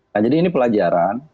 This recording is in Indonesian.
nah jadi ini pelajaran